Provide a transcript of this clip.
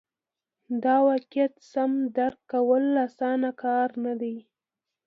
د واقعیت سم درک کول اسانه کار نه دی.